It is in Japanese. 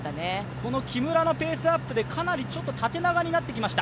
この木村のペースアップでかなり縦長になってきました。